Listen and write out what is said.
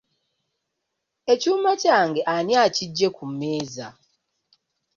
Ekyuma kyange ani akiggye ku mmeeza?